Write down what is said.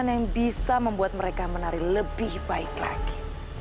yang bisa membuat mereka menari lebih baik lagi